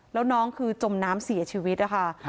แล้วน้องคือจมน้ำเสียชีวิตนะคะ